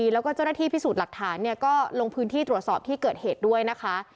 แล้วก็เจ้าหน้าที่พิสูจน์หลักฐานก็ลงพื้นที่ตรวจสอบที่เกิดเหตุด้วยนะคะ